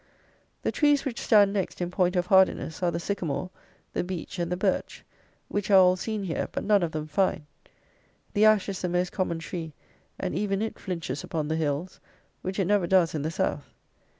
The trees which stand next in point of hardiness are the sycamore, the beech, and the birch, which are all seen here; but none of them fine. The ash is the most common tree, and even it flinches upon the hills, which it never does in the South.